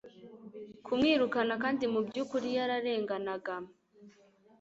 kumwirukana kandi mu byukuri yararenganaga